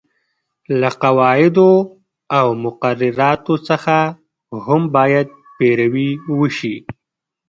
له قواعدو او مقرراتو څخه هم باید پیروي وشي.